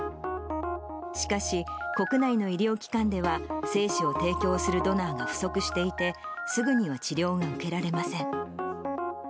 しかし、国内の医療機関では、精子を提供するドナーが不足していて、すぐには治療が受けられません。